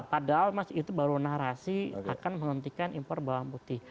padahal mas itu baru narasi akan menghentikan impor bawang putih